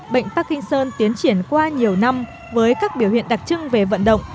bệnh parkinson tiến triển qua nhiều năm với các biểu hiện đặc trưng về vận động